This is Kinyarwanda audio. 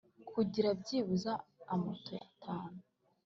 kugira byibuze amato atanu